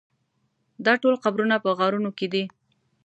دا ټول قبرونه په غارونو کې دي.